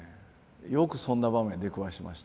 よくそんな場面に出くわしました。